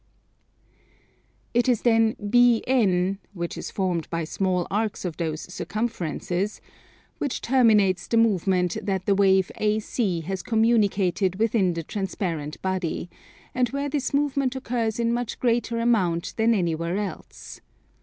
It is then BN, which is formed by small arcs of these circumferences, which terminates the movement that the wave AC has communicated within the transparent body, and where this movement occurs in much greater amount than anywhere else.